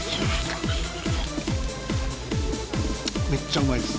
めっちゃうまいです。